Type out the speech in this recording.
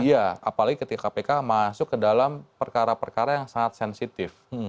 iya apalagi ketika kpk masuk ke dalam perkara perkara yang sangat sensitif